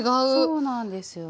そうなんですよね。